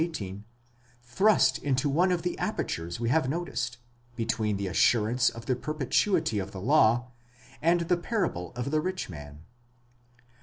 18) thrust into one of the apertures we have noticed, between the assurance of the perpetuity of the law and the parable of the rich man.